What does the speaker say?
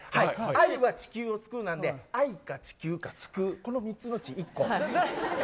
愛は地球を救うなんで、愛が地球を救う、この３つのうち１個。